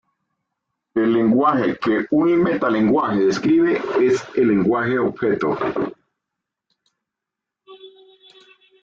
El lenguaje que un metalenguaje describe es el lenguaje objeto.